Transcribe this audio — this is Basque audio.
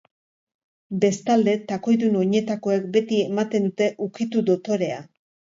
Bestalde, takoidun oinetakoek beti ematen dute ukitu dotorea.